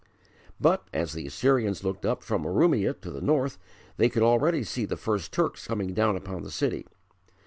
But, as the Assyrians looked up from Urumia to the north they could already see the first Turks coming down upon the city.